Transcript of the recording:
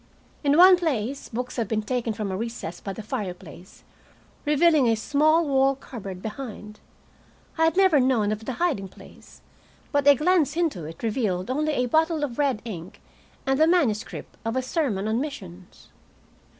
In one place books had been taken from a recess by the fireplace, revealing a small wall cupboard behind. I had never known of the hiding place, but a glance into it revealed only a bottle of red ink and the manuscript of a sermon on missions.